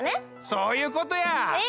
そういうことや。え